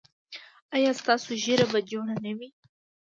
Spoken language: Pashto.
ایا ستاسو ږیره به جوړه نه وي؟